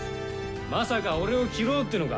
まさか俺を斬ろうっていうのか？